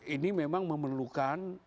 ini memang memerlukan